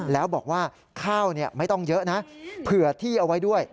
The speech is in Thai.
แล้วบอกว่าข้าวไม่ต้องเยอะนะเผื่อที่เอาไว้ด้วย